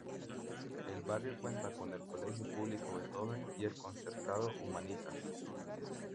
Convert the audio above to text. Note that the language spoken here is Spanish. El barrio cuenta con el colegio público Beethoven y el concertado Humanitas.